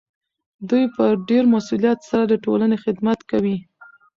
دوی په ډیر مسؤلیت سره د ټولنې خدمت کوي.